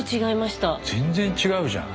全然違うじゃん。